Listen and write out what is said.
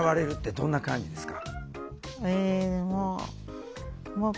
どんな感じですか？